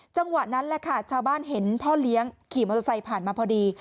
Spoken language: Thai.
จังหวะนั้นแหละค่ะชาวบ้านเห็นพ่อเลี้ยงขี่มอเตอร์ไซค์ผ่านมาพอดี